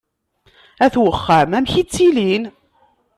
At uxxam, amek i ttilin?